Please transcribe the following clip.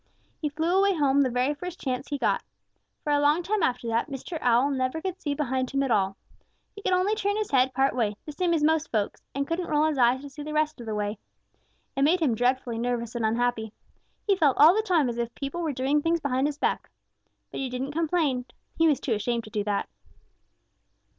He flew away home the very first chance he got. For a long time after that, Mr. Owl never could see behind him at all. He could only turn his head part way, the same as most folks, and he couldn't roll his eyes to see the rest of the way. It made him dreadfully nervous and unhappy. He felt all the time as if people were doing things behind his back. But he didn't complain. He was ashamed to do that.